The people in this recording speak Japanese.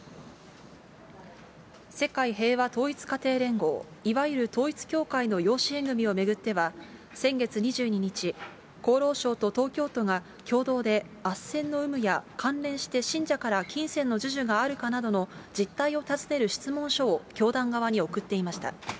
世界平和統一家庭連合、いわゆる統一教会の養子縁組を巡っては、先月２２日、厚労省と東京都が共同であっせんの有無や関連して信者から金銭の授受があるかなどの実態を訪ねる質問書を教団側に送っていました。